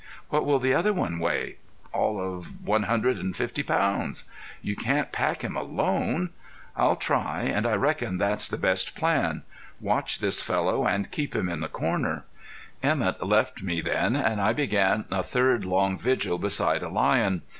"What will the other one weigh?" "All of one hundred and fifty pounds." "You can't pack him alone." "I'll try, and I reckon that's the best plan. Watch this fellow and keep him in the corner." Emett left me then, and I began a third long vigil beside a lion.